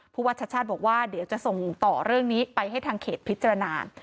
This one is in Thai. วัชชาติบอกว่าเดี๋ยวจะส่งต่อเรื่องนี้ไปให้ทางเขตพิจารณา